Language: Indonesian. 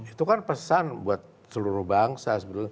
itu kan pesan buat seluruh bangsa sebetulnya